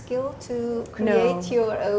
untuk membuat sendiri